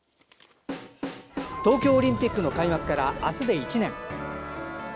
東京オリンピックの開幕から、あすで１年。